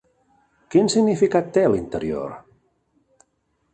Quin significat té l'interior?